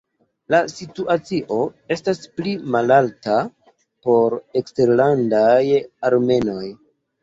La situacio estas pli malalta por eksterlandaj armenoj.